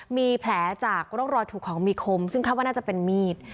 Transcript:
มีแผลจากร่องรอยถูกของมีคมซึ่งคาดว่าน่าจะเป็นมีด